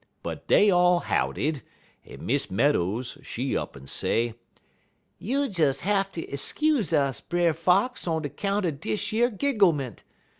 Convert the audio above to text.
But dey all howdied, en Miss Meadows, she up'n say: "'You'll des hatter skuse us, Brer Fox, on de 'count er dish yer gigglement.